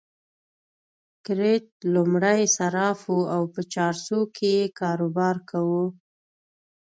کرت لومړی صراف وو او په چارسو کې يې کاروبار کاوه.